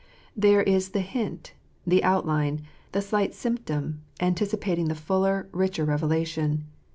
There is the hint, the outline, the slight symptom, anticipating the fuller, richer revela tion.